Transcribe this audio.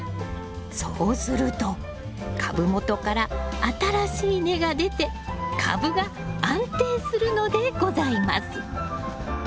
そうすると株元から新しい根が出て株が安定するのでございます。